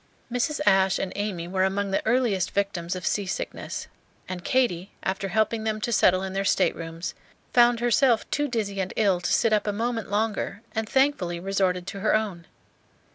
Mrs. Ashe and Amy were among the earliest victims of sea sickness; and Katy, after helping them to settle in their staterooms, found herself too dizzy and ill to sit up a moment longer, and thankfully resorted to her own.